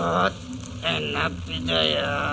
hal ini weber kotak belakang